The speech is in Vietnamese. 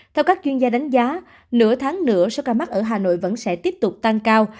theo các chuyên gia đánh giá nửa tháng nữa số ca mắc ở hà nội vẫn sẽ tiếp tục tăng cao